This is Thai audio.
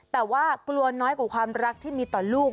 แต่ว่ากลัวน้อยกว่าความรักที่มีต่อลูก